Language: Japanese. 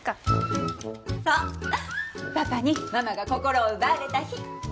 パパにママが心を奪われた日。